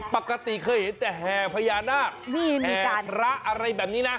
ปกติเคยเห็นแต่แห่พญานาคนี่มีการพระอะไรแบบนี้นะ